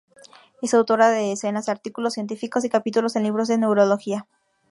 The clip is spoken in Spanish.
Es autora de decenas de artículos científicos y capítulos en libros de neurología.